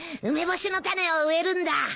梅干しの種を植えるんだ。